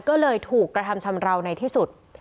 ก็เลยถูกกระทำชำราวในที่สุด